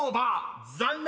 ［残念！